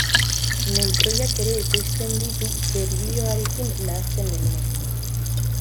Neutroiak ere ekoizten ditu berilioarekin nahasten denean.